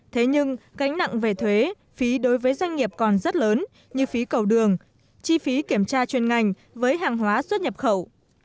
thế nhưng gánh nặng về thuế phí đối với doanh nghiệp còn rất lớn như phí cầu đường chi phí kiểm tra chuyên ngành với hàng hóa xuất nhập khẩu